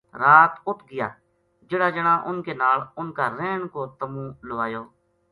رات اُت گیا جہڑا جنا اُنھ کے نال اُنھ کا رہن کو تَمُو لوایو